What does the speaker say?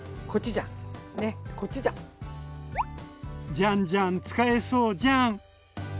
じゃんじゃん使えそうジャン。